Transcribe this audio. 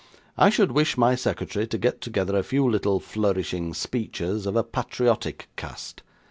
I should wish my secretary to get together a few little flourishing speeches, of a patriotic cast.